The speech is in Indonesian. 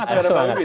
kita agak semangat